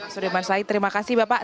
sudah masai terima kasih bapak